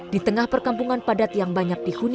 di tengah perkampungan padat yang banyak dihuni